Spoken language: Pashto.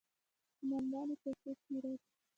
، کومندان يې پيسې شمېرلې.